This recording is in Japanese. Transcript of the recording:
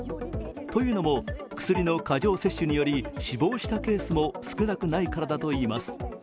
というのも、薬の過剰摂取により死亡したケースも少なくないからだといいます。